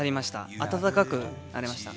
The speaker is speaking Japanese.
温かくなれました。